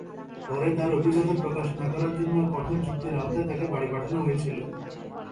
পরে তার অভিজ্ঞতা প্রকাশ না করার জন্য কঠোর চুক্তির আওতায় তাকে বাড়ি পাঠানো হয়েছিল।